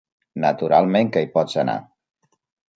Naturalment que hi pots anar.